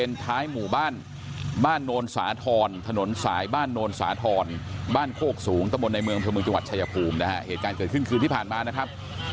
ในเมืองพระเมืองจังหวัดชัยภูมินะฮะเหตุการณ์เกิดขึ้นคืนที่ผ่านมานะครับ